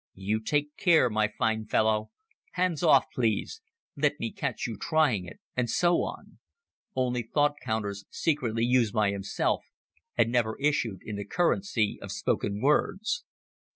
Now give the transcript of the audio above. "You take care, my fine fellow;" "Hands off, please;" "Let me catch you trying it" and so on: only thought counters secretly used by himself, and never issued in the currency of spoken words.